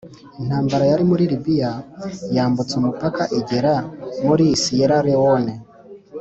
intambara yari muri Liberiya yambutse umupaka igera muri Siyera Lewone